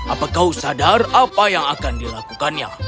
apa kau sadar apa yang akan dilakukannya